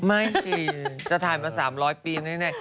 ไม่จริงถ่ายมา๓๐๐ปีนึก